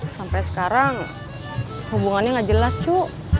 sampai sekarang hubungannya gak jelas cuk